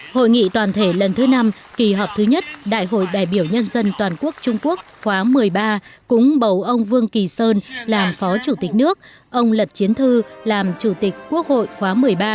hội nghị toàn thể lần thứ năm kỳ họp thứ nhất đại hội đại biểu nhân dân toàn quốc trung quốc khóa một mươi ba cũng bầu ông vương kỳ sơn làm phó chủ tịch nước ông lật chiến thư làm chủ tịch quốc hội khóa một mươi ba